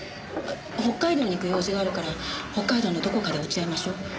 北海道に行く用事があるから北海道のどこかで落ち合いましょう。